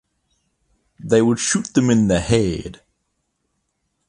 They would shoot them in the head.